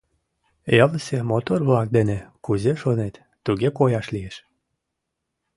Ялысе мотор-влак дене кузе шонет, туге кояш лиеш.